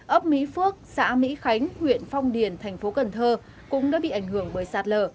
ấp mỹ phước xã mỹ khánh huyện phong điền thành phố cần thơ cũng đã bị ảnh hưởng bởi sạt lở